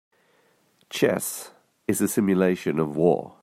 Chess is a simulation of war.